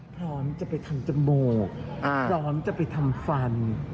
พร้อมจะไปทำจมูกพร้อมจะไปทำฟัน